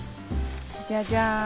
じゃじゃん！